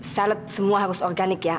salet semua harus organik ya